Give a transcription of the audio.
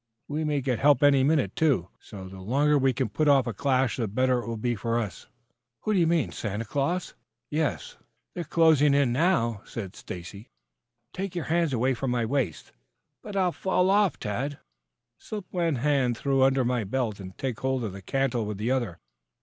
We may get help any minute, too, so the longer we can put off a clash the better it will be for us." "Who you mean Santa Claus?" "Yes." "They're closing in now," said Stacy. "Take your hands away from my waist." "But I'll fall off, Tad." "Slip one hand through under my belt and take hold of the cantle with the other.